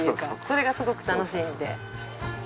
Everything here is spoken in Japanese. それがすごく楽しいんで。